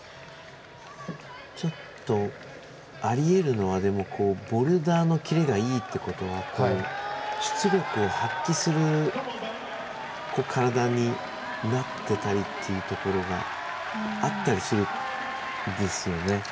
ありえるのはボルダーのキレがいいと出力を発揮する体になっているっていうことがあったりするんですよね。